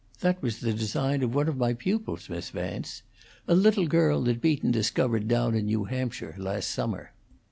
That was the design of one of my pupils, Miss Vance a little girl that Beaton discovered down in New Hampshire last summer."